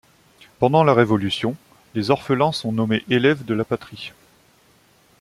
Pendant la Révolution, les orphelins sont nommés élèves de la Patrie.